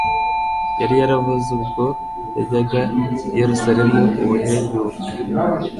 yari yaravuze ubwo yajyaga i Yerusalemu ubuheruka,